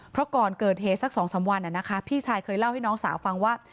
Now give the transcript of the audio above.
เพราะก่อนเกิดเหตุสัก๒๓วันพี่ชายเคยเล่าให้น้องสาวฟังว่า